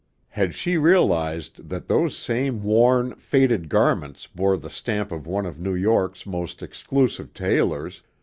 Had she realized that those same worn, faded garments bore the stamp of one of New York's most exclusive tailors!